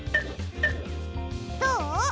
どう？